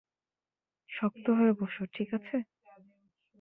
শক্ত হয়ে বসো, ঠিক আছে?